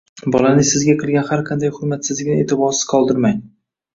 bolaning sizga qilgan har qanday hurmatsizligini e'tiborsiz qoldirmang.